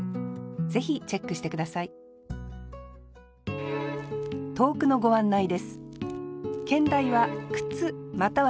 ぜひチェックして下さい投句のご案内です